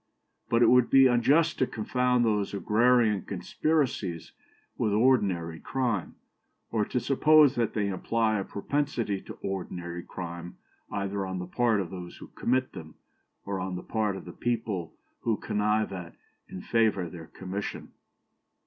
But it would be unjust to confound these agrarian conspiracies with ordinary crime, or to suppose that they imply a propensity to ordinary crime either on the part of those who commit them, or on the part of the people who connive at and favour their commission.